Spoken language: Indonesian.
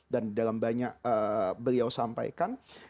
dan di dalam banyak yang beliau sampaikan